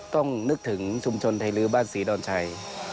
ต้องนึกถึงชุมชนไทยลื้อบ้านศรีดอนชัย